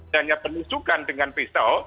dan yang penunjukkan dengan pisau